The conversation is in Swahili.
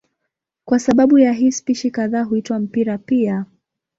Kwa sababu ya hii spishi kadhaa huitwa mpira pia.